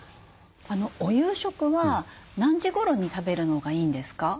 お夕食は何時頃に食べるのがいいんですか？